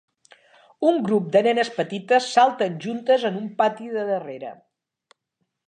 Un grup de nenes petites salten juntes en un pati de darrere.